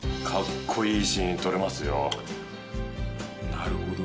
なるほど。